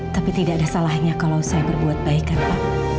tapi tidak ada salahnya kalau saya berbuat baik kan pak